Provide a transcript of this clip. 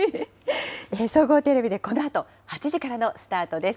総合テレビでこのあと８時からのスタートです。